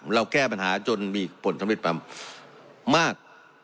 แก้ปัญหาจนมีผลสำเร็จมาก